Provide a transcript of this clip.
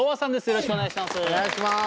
よろしくお願いします。